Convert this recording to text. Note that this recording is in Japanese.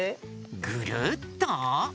ぐるっと？